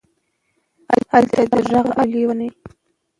الته دې غږ اوري لېونۍ.